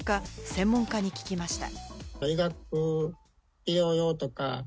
専門家に聞きました。